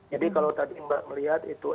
jadi kalau tadi mbak melihat itu